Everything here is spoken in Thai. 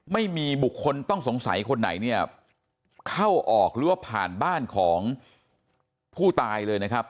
ไม่มีบุคคลต้องสงสัยคนไหนเนี่ยเข้าออกหรือว่าผ่านบ้านของผู้ตายเลยนะครับ